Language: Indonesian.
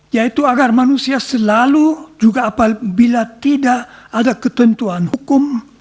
yaitu agar manusia selalu juga apabila tidak ada ketentuan hukum